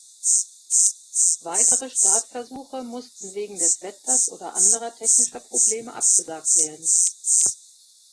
Weitere Startversuche mussten wegen des Wetters oder anderer technischer Probleme abgesagt werden.